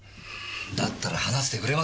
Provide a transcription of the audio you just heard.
だったら話してくれませんか。